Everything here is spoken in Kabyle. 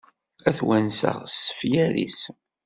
Ad twenseɣ s yifyar-is.